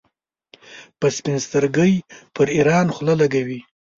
په سپین سترګۍ پر ایران خوله لګوي.